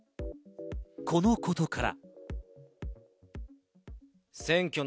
このことから。